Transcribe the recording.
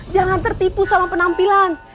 jangan tertipu sama penampilan